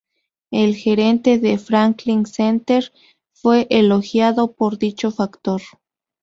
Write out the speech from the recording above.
El gerente de "Franklin Center" fue elogiado por dicho factor.